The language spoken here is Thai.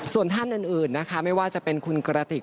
ส่วนท่านอื่นนะคะไม่ว่าจะเป็นคุณกระติก